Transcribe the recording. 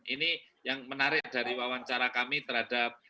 ini yang menarik dari wawancara kami terhadap